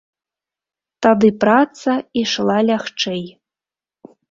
Тады праца ішла лягчэй.